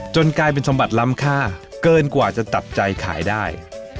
กลายเป็นสมบัติล้ำค่าเกินกว่าจะตัดใจขายได้